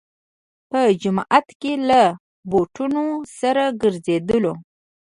په جومات کې له بوټونو سره ګرځېدلو.